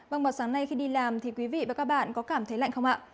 vâng vào sáng nay khi đi làm thì quý vị và các bạn có cảm thấy lạnh không ạ